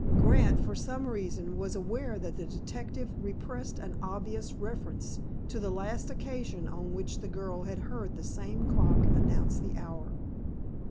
Grant, for some reason, was aware that the detective repressed an obvious reference to the last occasion on which the girl had heard that same clock announce the hour.